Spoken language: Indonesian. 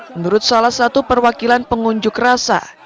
menurut salah satu perwakilan pengunjuk rasa